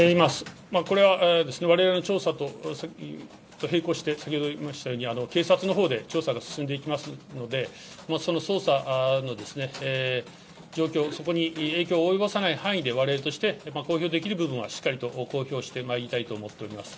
これはわれわれの調査と並行して、先ほど言いましたように、警察のほうで調査が進んでいきますので、その捜査の状況、そこに影響を及ぼさない範囲で、われわれとして公表できる部分はしっかりと公表してまいりたいと思っております。